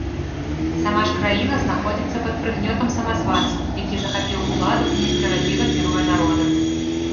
Сама ж краіна знаходзіцца пад прыгнётам самазванца, які захапіў уладу і несправядліва кіруе народам.